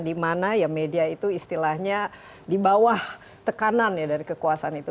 dimana ya media itu istilahnya di bawah tekanan ya dari kekuasaan itu